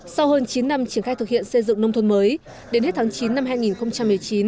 sau hơn chín năm triển khai thực hiện xây dựng nông thôn mới đến hết tháng chín năm hai nghìn một mươi chín